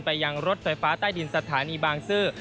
ยังรถไฟฟ้าใต้ดินสถานีบางซื่อ